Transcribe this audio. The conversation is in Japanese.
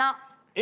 え！